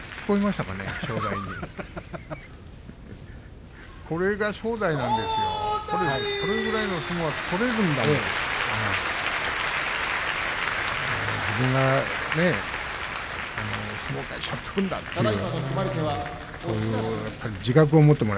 たぶんこれぐらいの相撲は取れるんだから。